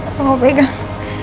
aku mau pegang